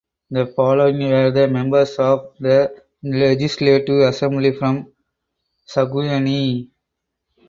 The following were the members of the Legislative Assembly from Saguenay.